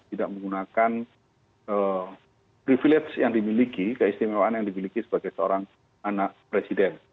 tidak menggunakan privilege yang dimiliki keistimewaan yang dimiliki sebagai seorang anak presiden